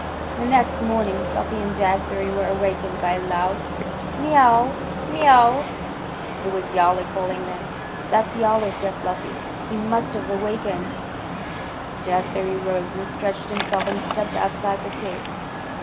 The next morning Fluffy and Jazbury were awakened by a loud "Miaw aw aw! Miaw aw aw!" It was Yowler calling them. "That's Yowler," said Fluffy. "He must have awakened." Jazbury rose and stretched himself and stepped outside the cave.